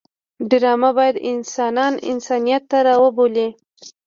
ډرامه باید انسانان انسانیت ته راوبولي